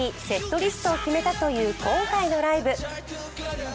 セットリストを決めたという今回のライブ。